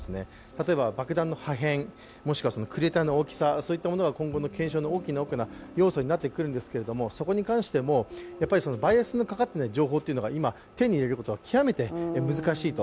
例えば、爆弾の破片もしくはクレーターの大きさ今後の検証の大きな大きな要素になってくるんですけれども、そこに関してもバイアスのかかっていない情報というのが手に入れるのが極めて難しいと。